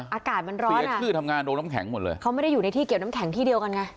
อากาศมันร้อนเสียชื่อทำงานโดนน้ำแข็งหมดเลยเขาไม่ได้อยู่ในที่เกี่ยวน้ำแข็งที่เดียวกันไง